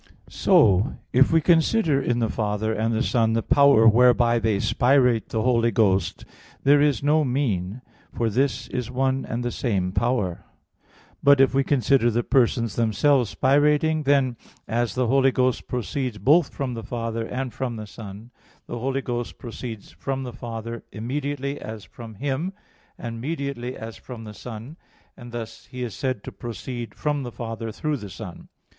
So if we consider in the Father and the Son the power whereby they spirate the Holy Ghost, there is no mean, for this is one and the same power. But if we consider the persons themselves spirating, then, as the Holy Ghost proceeds both from the Father and from the Son, the Holy Ghost proceeds from the Father immediately, as from Him, and mediately, as from the Son; and thus He is said to proceed from the Father through the Son.